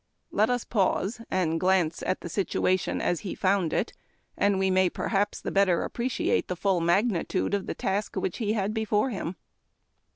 Jjct us paust' :in'l glance at the situation as he found it, and Ave may, perli.ijis, the better appreciate the full magnitude of the task which he had before him.